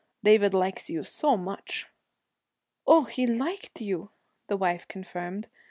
David likes you so much.' 'Oh, he liked you!' the wife confirmed.